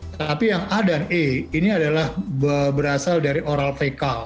tapi yang a dan e ini adalah berasal dari oral vk